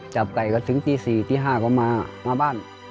จับไก่ก็ถึงตี๔ตี๕ก็มาบ้าน